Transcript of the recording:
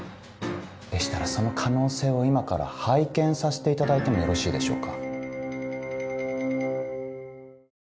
でしたらその可能性を今から拝見させていただいてもよろしいでしょうか？